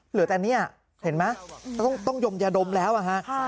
เหลือแต่เนี่ยเห็นไหมต้องยมยาดมแล้วอะฮะ